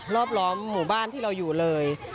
รอบล้อมหมู่บ้านที่เราอยู่เลย